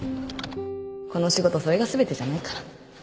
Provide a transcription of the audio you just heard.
この仕事それが全てじゃないから